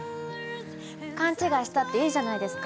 かんちがいしたっていいじゃないですか。